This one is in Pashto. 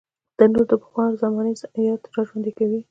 تنور د پخوا زمانې یاد راژوندي کوي